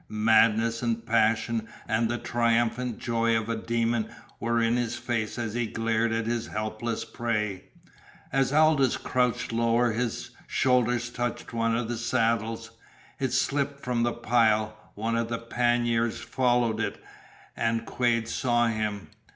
Madness and passion and the triumphant joy of a demon were in his face as he glared at his helpless prey. As Aldous crouched lower his shoulder touched one of the saddles. It slipped from the pile, one of the panniers followed it, and Quade saw him.